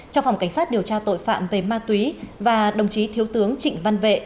cho phòng cảnh sát điều tra tội phạm về ma túy và đồng chí thiếu tướng trịnh văn vệ